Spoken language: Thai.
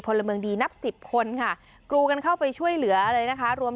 พลเมืองดีนับสิบคนค่ะกรูกันเข้าไปช่วยเหลือเลยนะคะรวม